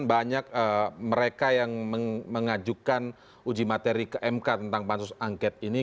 banyak mereka yang mengajukan uji materi ke mk tentang pansus angket ini